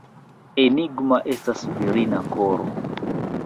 Enigma estas virina koro!